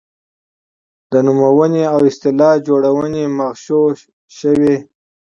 د نومونې او اصطلاح جوړونې مغشوشوي.